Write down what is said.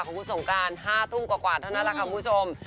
ของคุณสงการ๕ทุ่มกว่าเท่านั้นแหละค่ะคุณผู้ชม